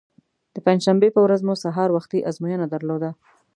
د پنجشنبې په ورځ مو سهار وختي ازموینه درلوده.